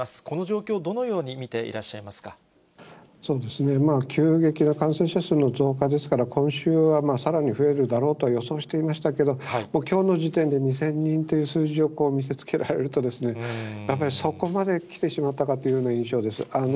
この状況、どのように見ていらっそうですね、急激な感染者数の増加ですから、今週はさらに増えるだろうと予想していましたけれども、きょうの時点で２０００人という数字を見せつけられると、やっぱりそこまで来てしまったかというような印象です。